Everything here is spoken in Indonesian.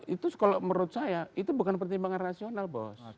itu kalau menurut saya itu bukan pertimbangan rasional bos